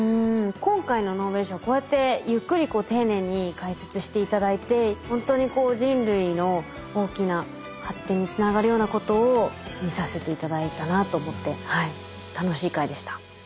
今回のノーベル賞こうやってゆっくり丁寧に解説して頂いてほんとにこう人類の大きな発展につながるようなことを見させて頂いたなと思って楽しい回でした。